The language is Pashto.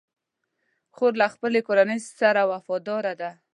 خور له خپلې کورنۍ سره وفاداره ده.